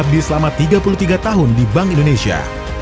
abdi selama tiga puluh tiga tahun di bank indonesia